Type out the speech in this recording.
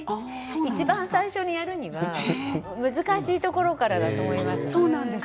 いちばん最初にやるには難しいところからだと思います。